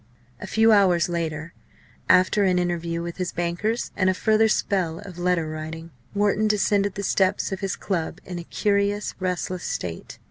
A few hours later, after an interview with his bankers and a further spell of letter writing, Wharton descended the steps of his club in a curious restless state.